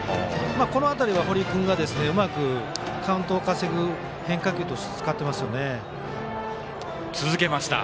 この辺りは、堀君がうまくカウントを稼ぐ変化球として使ってますよね。